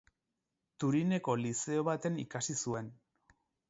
Turineko lizeo batean ikasi zuen.